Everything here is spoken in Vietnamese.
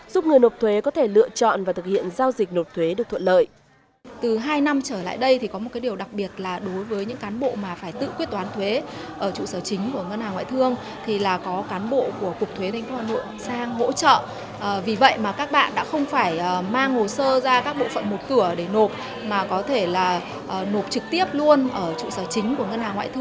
giúp người nộp thuế có thể lựa chọn và thực hiện giao dịch nộp thuế được thuận lợi